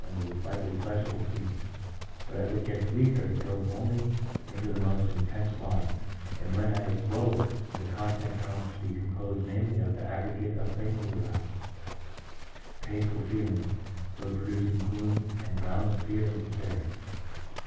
into the slightly pleasurable feelings; but as it gets weaker it goes only into the most intense lines, and when at its lowest, the content "comes to be composed mainly of the aggregate of faintly aroused, painful feelings — so producing gloom, and groundless fear and despair."